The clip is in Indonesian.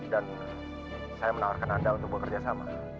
dan saya menawarkan anda untuk bekerja sama